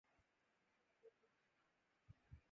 اردو کے نامور مزاح نگار پطرس بخاری